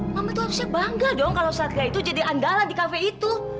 mama itu harusnya bangga dong kalau satria itu jadi andalan di kafe itu